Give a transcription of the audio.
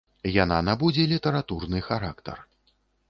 Яна набудзе літаратурны характар.